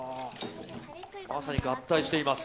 まさに合体しています。